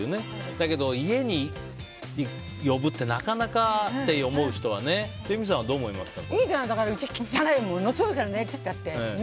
だけど、家に呼ぶってなかなかって思う人はね。うちはものすごい汚いからね！って言っちゃう。